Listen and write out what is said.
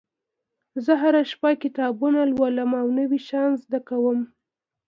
زه هره شپه کتابونه لولم او نوي شیان زده کوم